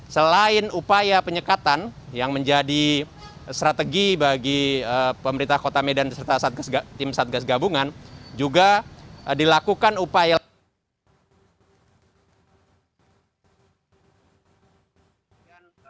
selain upaya penyekatan yang menjadi strategi bagi pemerintah kota medan serta tim satgas gabungan juga dilakukan upaya